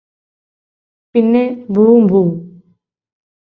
പിന്നെ boom boom